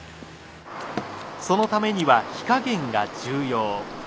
そのためには火加減が重要。